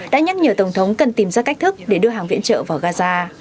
đã nhắc nhở tổng thống cần tìm ra cách thức để đưa hàng viện trợ vào gaza